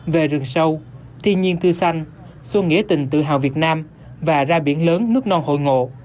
về rừng sâu thiên nhiên tươi xanh xuân nghĩa tình tự hào việt nam và ra biển lớn nước non hội ngộ